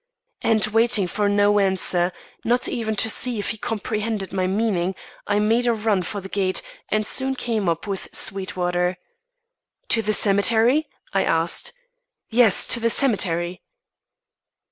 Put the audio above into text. And waiting for no answer, not even to see if he comprehended my meaning, I made a run for the gate, and soon came up with Sweetwater. "To the cemetery?" I asked. "Yes, to the cemetery."